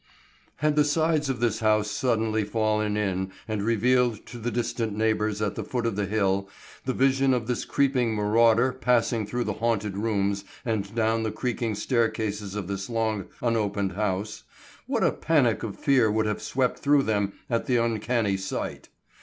HAD the sides of this house suddenly fallen in and revealed to the distant neighbors at the foot of the hill the vision of this creeping marauder passing through the haunted rooms and down the creaking staircases of this long unopened house, what a panic of fear would have swept through them at the uncanny sight!